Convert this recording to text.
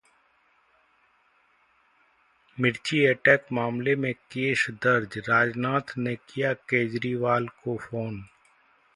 मिर्ची अटैक मामले में केस दर्ज, राजनाथ ने किया केजरीवाल को फोन